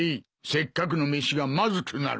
せっかくの飯がまずくなる。